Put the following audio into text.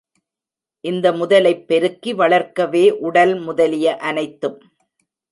இந்த முதலைப் பெருக்கி வளர்க்கவே உடல் முதலிய அனைத்தும்.